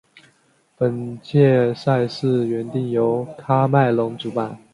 本届赛事原定由喀麦隆主办。